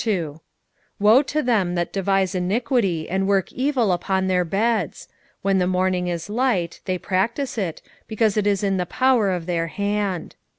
2:1 Woe to them that devise iniquity, and work evil upon their beds! when the morning is light, they practise it, because it is in the power of their hand.